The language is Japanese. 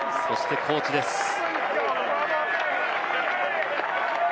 そしてコーチです。